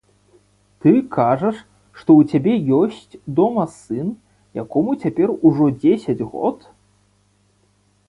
Ты кажаш, што ў цябе ёсць дома сын, якому цяпер ужо дзесяць год?